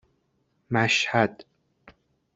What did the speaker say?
مشهد